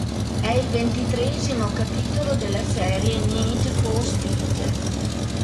È il ventitreesimo capitolo della serie Need for Speed.